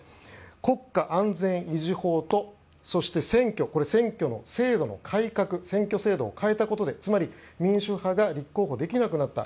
国家安全維持法とそして選挙これは選挙の制度の改革したことでつまり民主派が立候補できなくなった。